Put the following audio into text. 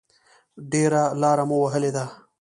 ډېره لاره مو وهلې وه.